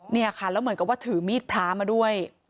เนี่ยค่ะแล้วเหมือนกับว่าถือมีดพระมาด้วย